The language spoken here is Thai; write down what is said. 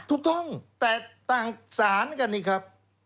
ถูกต้องแต่ต่างสารกันนี่ครับ